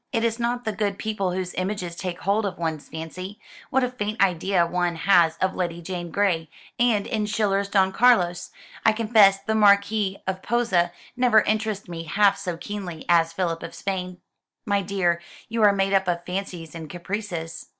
It is not the good people whose images take hold of one's fancy, What a faint idea one has of Lady Jane Grey, And, in Schiller's 'Don Carlos,' I confess the Marquis of Posa never interested me half so keenly as Philip of Spain." "My dear, you are made up of fancies and caprices.